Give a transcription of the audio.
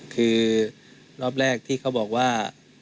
คือรอบแรกที่เขาบอกว่า